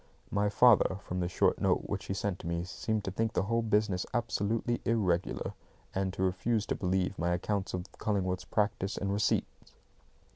My father, from the short note which he sent me, seemed to think the whole business absolutely irregular, and to refuse to believe my accounts of Cullingworth's practice and receipts.